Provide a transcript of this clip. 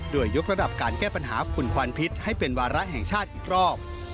โดยยกระดับการแก้ปัญหาฝุ่นควันพิษให้เป็นวาระแห่งชาติอีกรอบ